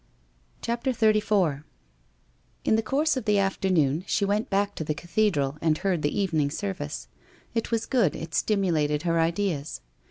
CHAPTER XXXIV In the course of the afternoon she went back to the cathe dral, and heard the evening service. It was good, it stimu lated her ideas.